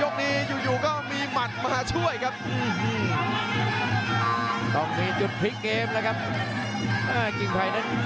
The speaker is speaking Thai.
กิงไพและทรงมีจุดพลิกเยมแหละครับ